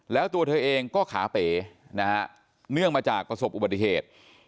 แล้วตัวเธอเองก็ขาเป๋นะฮะเนื่องมาจากประสบอุบัติเหตุ